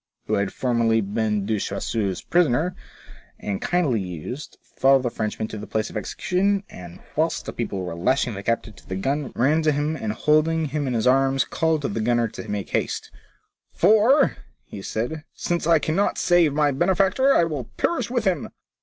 — who had formerly been De Choiseul's prisoner, and kindly used, followed the Frenchman to the place of execution, and, whilst the people were lashing the captive to the gun, ran to him, and holding him in his arms, called to the gunner to make haste ;'* For," said he, " since I cannot save my benefactor, I will perish with him."